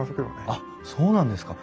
あっそうなんですか。